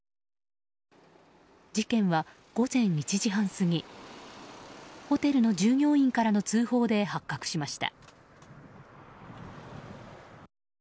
事件は、午前１時半過ぎホテルの従業員からの通報で発覚しました。